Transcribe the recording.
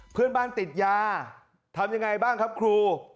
เพื่อนบ้านติดยาทำยังไงบ้างครับครู